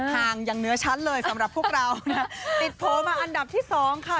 ห่างอย่างเนื้อชั้นเลยสำหรับพวกเรานะติดโผล่มาอันดับที่สองค่ะ